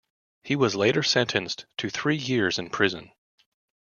He was later sentenced to three years in prison.